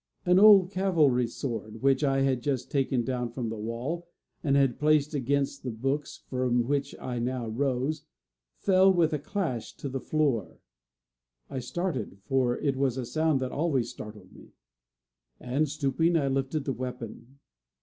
An old cavalry sword, which I had just taken down from the wall, and had placed leaning against the books from which I now rose, fell with a clash to the floor. I started; for it was a sound that always startled me; and stooping I lifted the weapon.